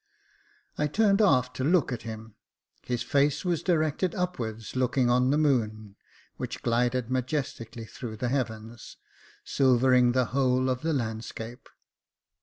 I turned aft to look at him ; his face was directed upwards, looking on the moon, which glided majestically through the heavens, silvering the whole of the landscape.